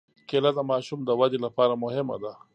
کېله د ماشوم د ودې لپاره مهمه ده.